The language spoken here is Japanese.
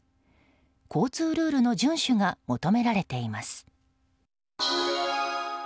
交通ルールの順守が求められています。